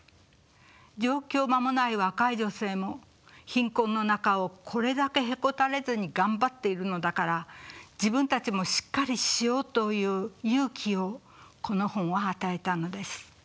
上京間もない若い女性も貧困の中をこれだけへこたれずに頑張っているのだから自分たちもしっかりしようという勇気をこの本は与えたのです。